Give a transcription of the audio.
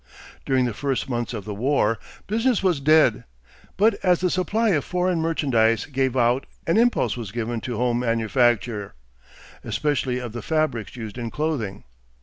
During the first months of the war business was dead; but as the supply of foreign merchandise gave out an impulse was given to home manufacture, especially of the fabrics used in clothing.